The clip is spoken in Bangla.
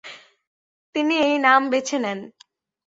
তিনি এই নাম বেছে নেন।